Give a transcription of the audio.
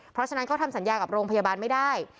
เพราะฉะนั้นเขาทำสัญญากับโรงพยาบาลไม่ได้